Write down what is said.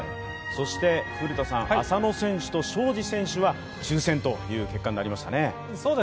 古田さん、浅野選手と荘司選手は抽選という結果になりましたね。